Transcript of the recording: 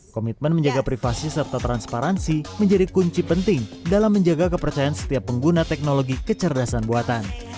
komitmen menjaga privasi serta transparansi menjadi kunci penting dalam menjaga kepercayaan setiap pengguna teknologi kecerdasan buatan